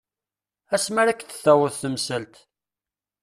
Asma ara ak-d-taweḍ temsalt.